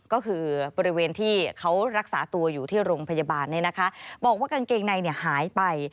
ก็คือบริเวณที่เขารักษาตัวอยู่ที่โรงพยาบาลเนี่ยนะคะบอกว่ากางเกงในหายไป